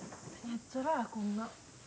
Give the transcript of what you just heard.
へっちゃらやこんな。